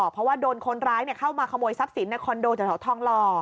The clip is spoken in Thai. เพราะว่าโดนคนร้ายเข้ามาขโมยทรัพย์สินในคอนโดจากแถวทองหล่อ